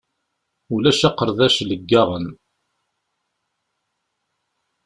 Ulac aqerdac leggaɣen.